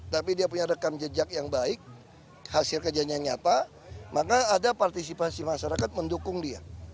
tapi dia punya rekam jejak yang baik hasil kerjanya nyata maka ada partisipasi masyarakat mendukung dia